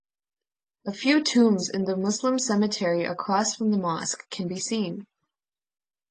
A few tombs in the Muslim cemetery across from the mosque can be seen.